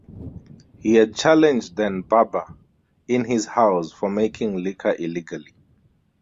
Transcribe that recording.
He had challenged Dan Barber in his house for making liquor illegally.